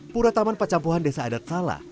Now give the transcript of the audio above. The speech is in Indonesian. pura taman pacampuhan desa adat salah